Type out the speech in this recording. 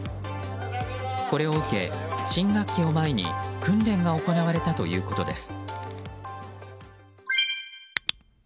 これを受け、新学期を前に訓練が行われたということです。